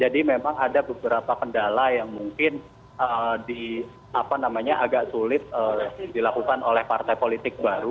memang ada beberapa kendala yang mungkin agak sulit dilakukan oleh partai politik baru